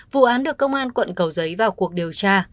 vụ án được công an quận cầu giấy vào cuộc điều tra